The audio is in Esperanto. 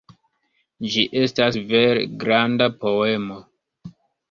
Ĝi estas vere "granda" poemo.